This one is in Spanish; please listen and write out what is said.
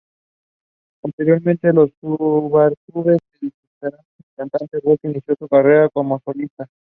Posteriormente los Sugarcubes se separaron y la cantante Björk inició su carrera como solista.